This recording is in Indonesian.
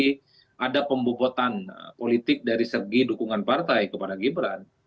tapi ada pembobotan politik dari segi dukungan partai kepada gibran